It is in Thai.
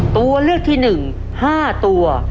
ตัวเลือกที่๑๕ตัว